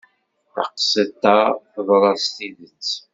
Taqsiṭ-a teḍra s tidet.